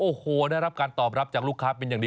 โอ้โหได้รับการตอบรับจากลูกค้าเป็นอย่างดี